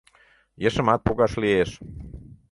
Ешымат погаш лиеш.